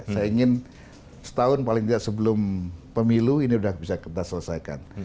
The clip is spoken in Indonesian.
saya ingin setahun paling tidak sebelum pemilu ini sudah bisa kita selesaikan